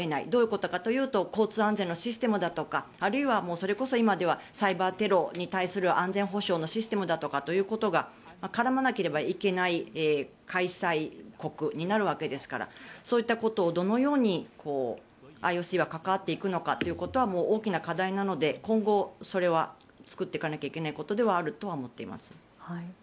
どういうことかというと交通安全のシステムだとかあるいはそれこそ今ではサイバーテロに対する安全保障のシステムだとか絡まなければいけない開催国になるわけですからそういったことをどのようにＩＯＣは関わっていくのかは大きな課題なので今後、それは作ってかなきゃいけないことではあると思っています。